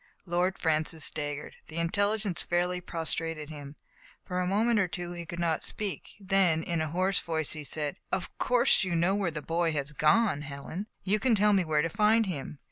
Lord Francis staggered. The intelligence fairly prostrated him. For a moment or two he could not speak; then, in a hoarse voice, he said :Of course you know where the boy has gone, Helen? You can tell me where to find him?